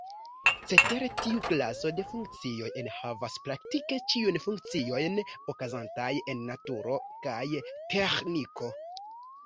Cetere tiu klaso de funkcioj enhavas praktike ĉiujn funkciojn okazantaj en naturo kaj teĥniko.